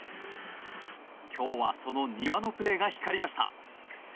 今日はその丹羽のプレーが光りました。